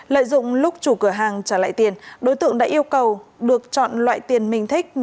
lợi dụng lúc chủ cửa hàng trả lại tiền đối tượng đã yêu cầu được chọn loại tiền mình thích